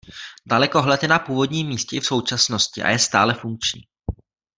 Dalekohled je na původním místě i v současnosti a je stále funkční.